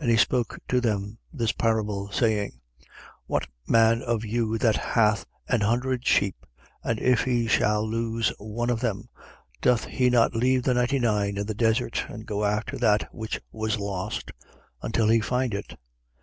15:3. And he spoke to them this parable, saying: 15:4. What man of you that hath an hundred sheep, and if he shall lose one of them, doth he not leave the ninety nine in the desert and go after that which was lost, until he find it?